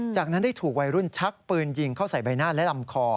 จากนั้นได้ถูกวัยรุ่นชักปืนยิงเข้าใส่ใบหน้าและลำคอ